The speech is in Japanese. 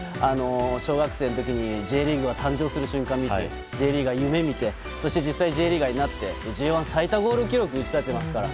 小学生の時にＪリーグが誕生する瞬間を見てＪリーガーを夢見て実際にＪリーガーになってＪ１最多ゴール記録打ち立ててますから。